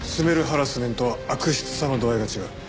ハラスメントは悪質さの度合いが違う。